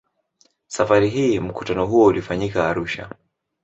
Safari hii mkutano huo ulifanyika Arusha.